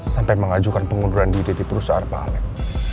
sampai mengajukan pengunduran diri di perusahaan pak amin